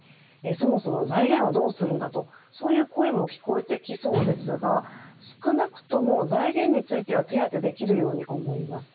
そもそも財源はどうするんだとそういった声も聞こえてきそうですが少なくとも財源については手当できるように思います。